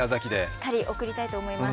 しっかり贈りたいと思います。